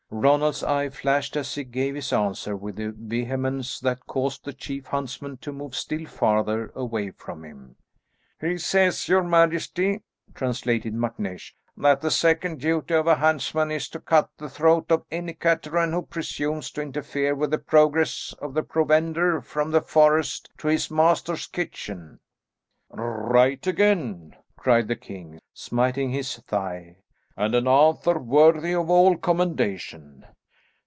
Ronald's eye flashed as he gave his answer with a vehemence that caused the chief huntsman to move still farther away from him. "He says, your majesty," translated MacNeish, "that the second duty of a huntsman is to cut the throat of any cateran who presumes to interfere with the progress of the provender from the forest to his master's kitchen." "Right again," cried the king, smiting his thigh, "and an answer worthy of all commendation.